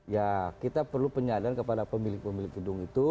ya kita perlu penyadaran kepada pemilik pemilik gedung itu